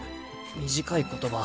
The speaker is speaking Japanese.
短い言葉。